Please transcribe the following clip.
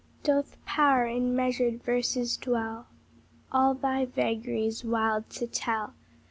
Doth power in measured verses dwell, All thy vagaries wild to tell?